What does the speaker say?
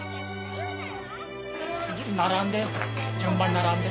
並んで。